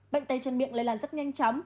bệnh tay chân miệng lây làn rất nhanh chóng